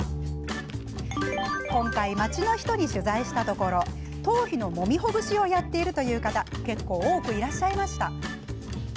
今回、街の人に取材したところ頭皮のもみほぐしをやっている方結構、多くいらっしゃいました。